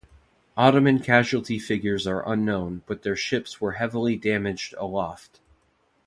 Ottoman casualty figures are unknown, but their ships were heavily damaged aloft.